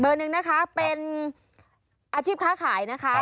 หนึ่งนะคะเป็นอาชีพค้าขายนะคะ